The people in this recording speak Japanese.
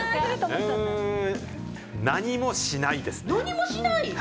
うん、何もしないですね。